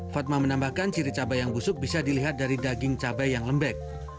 fatma menambahkan ciri cabai yang busuk bisa dilihat dari daging cabai yang lembek